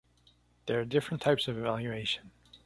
There are different types of evaluation.